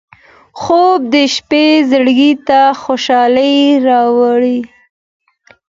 خوب د شپه زړګي ته خوشالي راوړي